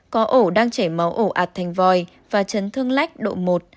có ổ đang chảy máu ổ ạt thành vòi và chấn thương lách độ một